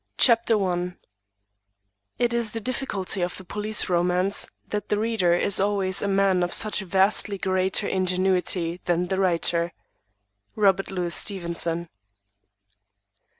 CHARLES BRYCE _"It is the difficulty of the Police Romance, that the reader is always a man of such vastly greater ingenuity than the writer._" ROBERT LOUIS STEVENSON.